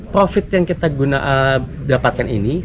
profit yang kita dapatkan ini